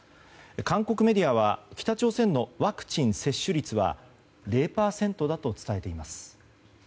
韓国メディアは北朝鮮のワクチン接種率は０％だと伝えています。